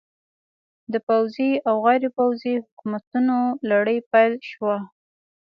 د پوځي او غیر پوځي حکومتونو لړۍ پیل شوه.